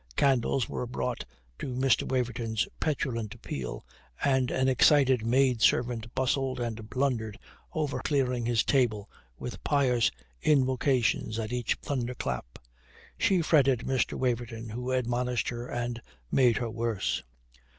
Candles were brought to Mr. Waverton's petulant appeal, and an excited maid servant bustled and blundered over clearing his table with pious invocations at each thunder clap. She fretted Mr. Waverton, who admonished her and made her worse.